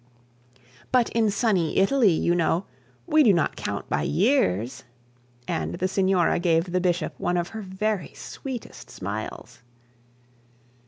'But in sunny Italy you know, we do not count by years,' and the signora gave the bishop one of her very sweetest smiles.